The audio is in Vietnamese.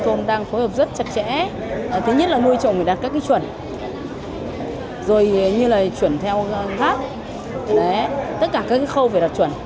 tất cả các khâu phải đặt chuẩn